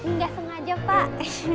nggak sengaja pak